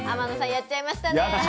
やっちゃいました。